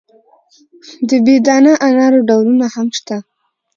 د بې دانه انارو ډولونه هم شته.